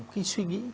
khi suy nghĩ